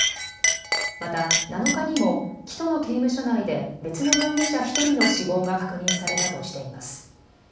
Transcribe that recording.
また７日にもキトの刑務所内で別の容疑者１人の死亡が確認されたとしています。